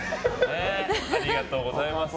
ありがとうございます。